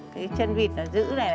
cái chân vịt nó giữ này đấy